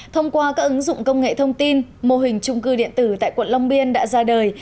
thông qua các ứng dụng công nghệ thông tin mô hình trung cư điện tử tại quận long biên đã ra đời